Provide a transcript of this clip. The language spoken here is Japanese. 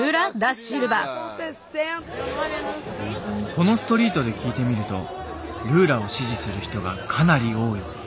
このストリートで聞いてみるとルーラを支持する人がかなり多い。